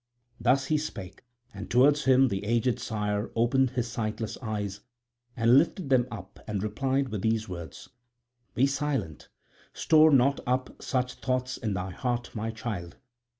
Thus he spake; and towards him the aged sire opened his sightless eyes, and lifted them up and replied with these words: "Be silent, store not up such thoughts in thy heart, my child.